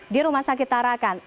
di rumah sakit tarakan